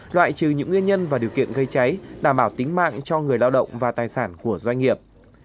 loại trừ những nguyên nhân và điều kiện gây cháy đảm bảo tính mạng cho người lao động và tài sản của doanh nghiệp